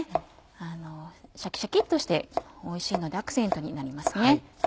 シャキシャキっとしておいしいのでアクセントになりますね。